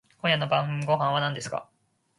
今夜の晩御飯は何ですか？